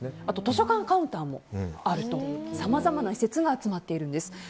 あと図書館カウンターもあってさまざまな施設が集まってるんです。